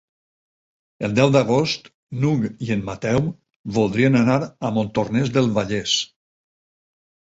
El deu d'agost n'Hug i en Mateu voldrien anar a Montornès del Vallès.